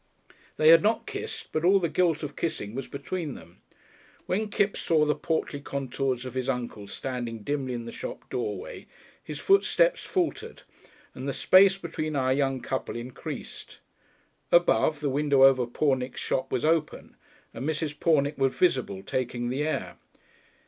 They had not kissed, but all the guilt of kissing was between them. When Kipps saw the portly contours of his uncle standing dimly in the shop doorway, his footsteps faltered, and the space between our young couple increased. Above, the window over Pornick's shop was open, and Mrs. Pornick was visible, taking the air.